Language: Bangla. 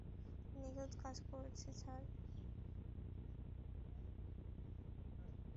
নিখুঁত কাজ করেছে, স্যার।